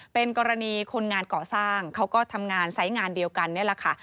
เป็นกรณีคนงานก่อสร้างเขาก็ทำงานไซส์งานเดียวกันนี่แหละค่ะ